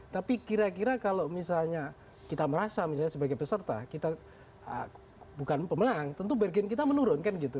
tapi kira kira kalau misalnya kita merasa misalnya sebagai peserta kita bukan pemenang tentu bergen kita menurun kan gitu